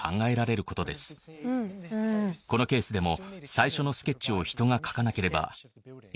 このケースでも。